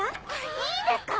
いいんですか？